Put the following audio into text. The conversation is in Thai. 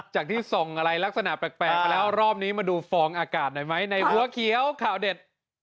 จากที่ส่องอะไรลักษณะแปลกมาแล้วรอบนี้มาดูฟองอากาศหน่อยไหมในหัวเขียวข่าวเด็ด